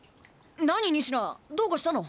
何仁科どうかしたの？